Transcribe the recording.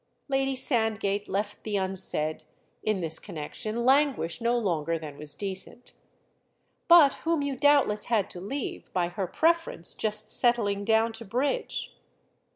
Lady Sandgate left the unsaid, in this connection, languish no longer than was decent. "But whom you doubtless had to leave, by her preference, just settling down to bridge."